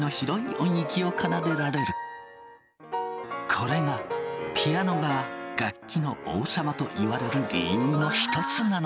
これがピアノが楽器の王様といわれる理由の一つなのだ。